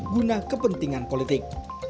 guna kepentingan politik